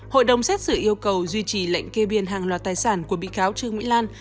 hội đồng xét xử yêu cầu duy trì lệnh kê biên hàng loạt tài sản của bị cáo trương mỹ lan